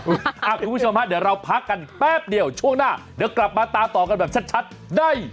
คุณผู้ชมฮะเดี๋ยวเราพักกันแป๊บเดียวช่วงหน้าเดี๋ยวกลับมาตามต่อกันแบบชัดได้